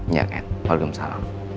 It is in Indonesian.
iya ken waalaikumsalam